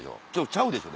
ちゃうでしょ？